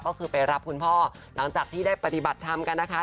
ก็คือไปรับคุณพ่อหลังจากที่ได้ปฏิบัติธรรมกันนะคะ